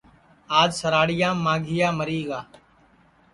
آج سراڑیاڑا ماگھیا مری گا